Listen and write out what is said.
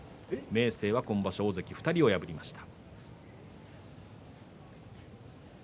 明生は今場所大関を２人破りました。